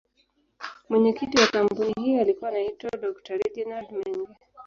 Mwenyekiti wa kampuni hii alikuwa anaitwa Dr.Reginald Mengi.